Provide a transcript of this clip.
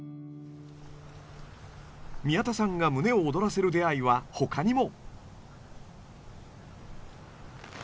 宮田さんが胸を躍らせる出会いはほかにも！